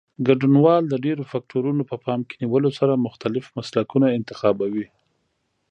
ګډونوال د ډېرو فکټورونو په پام کې نیولو سره مختلف مسلکونه انتخابوي.